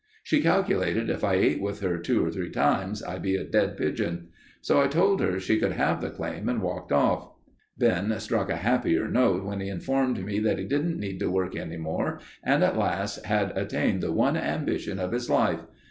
She calculated if I ate with her two—three times I'd be a dead pigeon. So I told her she could have the claim and walked off." Ben struck a happier note when he informed me that he didn't need to work any more and at last had attained the one ambition of his life.